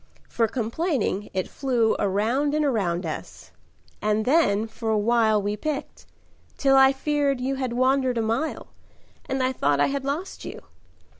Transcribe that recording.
For complaining it flew Around and around us. And then for a while We picked, till I feared you had wandered a mile, And I thought I had lost you.